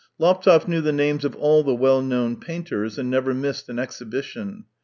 Laptev knew the names of all the well known painters, and never missed an exhibition.